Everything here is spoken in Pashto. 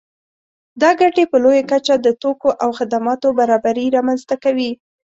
دا ګټې په لویه کچه د توکو او خدماتو برابري رامنځته کوي